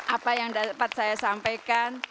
apa yang dapat saya sampaikan